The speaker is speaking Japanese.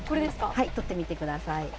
取ってみてください。